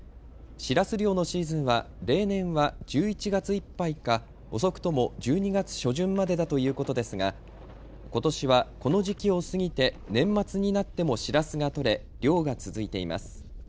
シラス漁のシーズンは例年は１１月いっぱいか遅くとも１２月初旬までだということですがことしはこの時期を過ぎて年末になってもシラスが取れ漁が続いています。